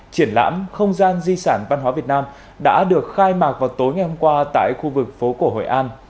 triển lãm không gian di sản văn hóa việt nam đã được khai mạc vào tối ngày hôm qua tại khu vực phố cổ hội an